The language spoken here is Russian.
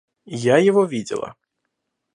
Я его видела.